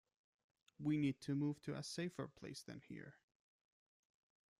We need to move to a safer place than here.